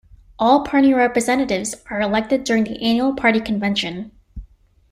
All party representatives are elected during the annual party convention.